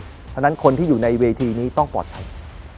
เพราะฉะนั้นคนที่อยู่ในเวทีนี้ต้องปลอดภัย